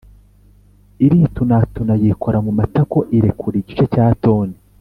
iritunatuna yikora mu matako irekura igice cya toni